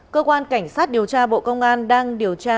cơ quan cảnh sát điều tra bộ công an tp huế đã thu thập các tài liệu chứng cứ